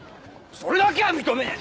それだけは認めねえ。